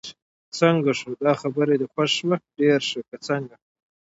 څنګه شو، دا خبر دې خوښ شو؟ ډېر ښه، که څنګه؟